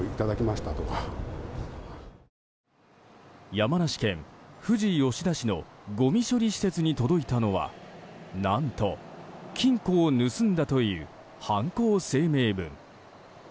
山梨県富士吉田市のごみ処理施設に届いたのは何と金庫を盗んだという犯行声明文。